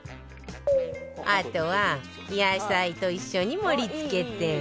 あとは野菜と一緒に盛り付けて